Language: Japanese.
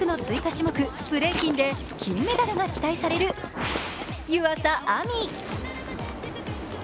種目ブレイキンで金メダルが期待される湯浅亜実。